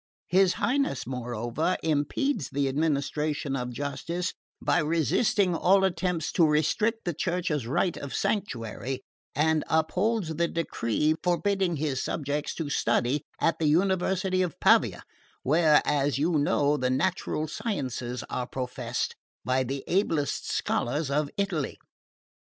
His Highness, moreover, impedes the administration of justice by resisting all attempts to restrict the Church's right of sanctuary, and upholds the decree forbidding his subjects to study at the University of Pavia, where, as you know, the natural sciences are professed by the ablest scholars of Italy.